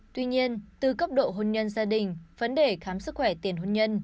tuy nhiên từ cấp độ hôn nhân gia đình vấn đề khám sức khỏe tiền hôn nhân